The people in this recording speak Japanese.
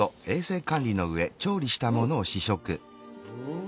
うん！